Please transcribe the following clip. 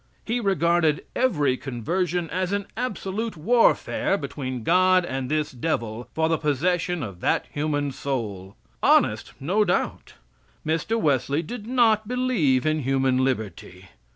He regarded every conversion as an absolute warfare between God and this devil for the possession of that human soul. Honest, no doubt. Mr. Wesley did not believe in human liberty.